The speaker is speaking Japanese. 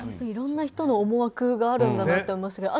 いろんな人の思惑があるんだなと思いました。